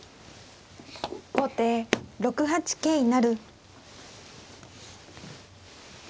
後手６八桂成。